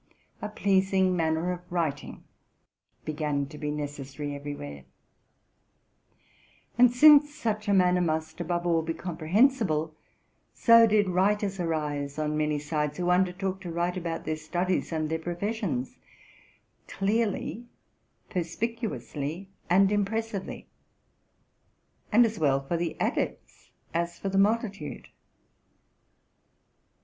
A pleasing manner of writing began to be necessary everywhere ; and since such a manner must, above all, be comprehensible, so did writers arise, on many sides, who undertook to write about their studies and their profes sions clearly, perspicuously, and impressively, and as well for the adepts as for the multitude.